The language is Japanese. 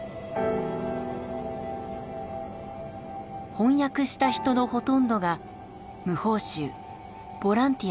翻訳した人のほとんどが無報酬ボランティアです。